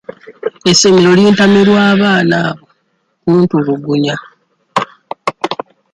Essomero lintamye lwa baana abo kuntulugunya.